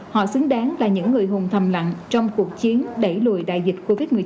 họ xứng đáng là những người hùng thầm lặng trong cuộc chiến đẩy lùi đại dịch covid một mươi chín